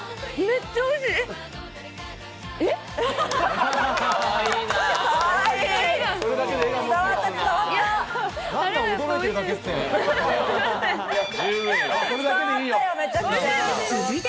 めっちゃおいしい！